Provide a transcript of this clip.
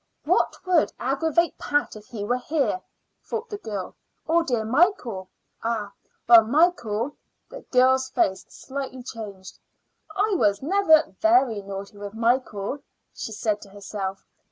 "What would most aggravate Pat if he were here," thought the girl, "or dear old Michael? Ah, well! Michael " The girl's face slightly changed. "I was never very naughty with Michael," she said to herself.